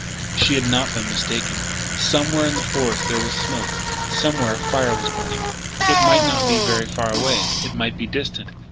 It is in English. She had not been mistaken: somewhere in the forest there was smoke. Somewhere a fire was burning. It might not be very far away; it might be distant.